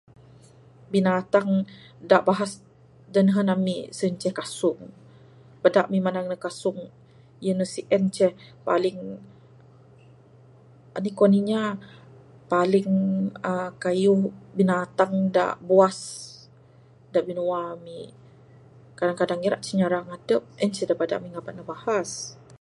Binatang da bahas da nehen ami sien ceh kasung. Bada ami manang ne kasung iyu ne sien ceh paling anih kuan inya paling aaa kayuh binatang da buas da binua ami. Kadang-kadang ira ceh nyarang adep. En ceh da bada ami ngaba ne bahas.